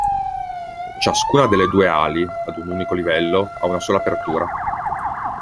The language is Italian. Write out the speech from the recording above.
Ciascuna delle due ali, ad un unico livello, ha una sola apertura.